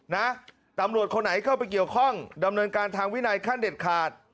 นะตำรวจคนไหนเข้าไปเกี่ยวข้องดำเนินการทางวินัยขั้นเด็ดขาด